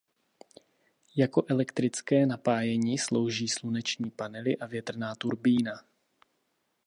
Jako elektrické napájení slouží sluneční panely a větrná turbína.